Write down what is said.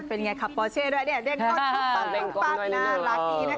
เป็นไงครับบอเช่ด้วยดี่เดรคตอนซุป๊าบน่ารักดีนะคะ